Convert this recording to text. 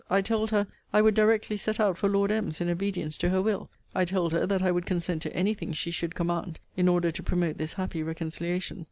I told her, 'I would directly set out for Lord M.'s, in obedience to her will. I told her that I would consent to any thing she should command, in order to promote this happy reconciliation.